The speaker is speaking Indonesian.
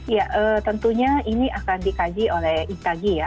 ya tentunya ini akan dikaji oleh itagi ya